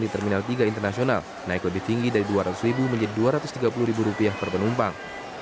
di terminal tiga internasional naik lebih tinggi dari dua ratus ribu menjadi dua ratus tiga puluh ribu rupiah per penumpang